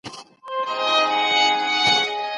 که ذوق ژوندی وساتل سي نو ټولنه پرمختګ کوي.